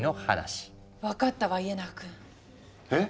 分かったわ家長くん。え？